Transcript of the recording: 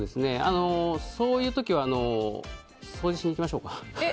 そういう時は掃除しに行きましょうか？